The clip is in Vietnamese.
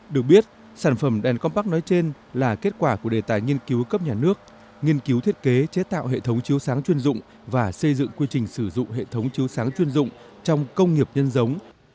được biết sản phẩm đèn compact nói trên là kết quả của đề tài nghiên cứu cấp nhà nước nghiên cứu thiết kế chế tạo hệ thống chiếu sáng chuyên dụng và xây dựng quy trình sử dụng hệ thống chiếu sáng chuyên dụng trong công nghiệp nhân giống